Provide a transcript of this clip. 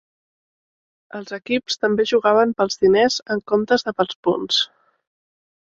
Els equips també jugaven pels diners en comptes de pels punts.